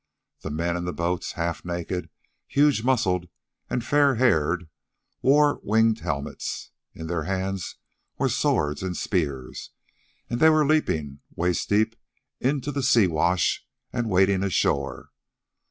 The men in the boats, half naked, huge muscled and fair haired, wore winged helmets. In their hands were swords and spears, and they were leaping, waist deep, into the sea wash and wading ashore.